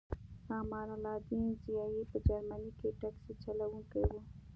امان الدین ضیایی په جرمني کې ټکسي چلوونکی و